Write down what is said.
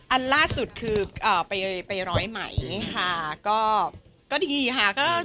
อันล่าสุดคือไปร้อยไหมค่ะก็ดีค่ะ